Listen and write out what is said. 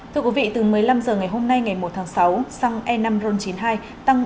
thưa quý vị từ một mươi năm h ngày hôm nay ngày một tháng sáu